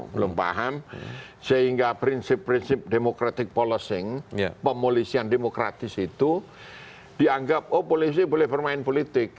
belum paham sehingga prinsip prinsip democratic policy pemolisian demokratis itu dianggap oh polisi boleh bermain politik